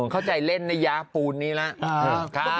เข้าใจเล่นนะยาปูนนี้แล้ว